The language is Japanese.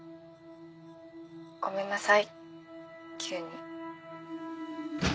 ごめんなさい急に。